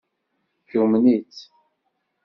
Tumen-itt.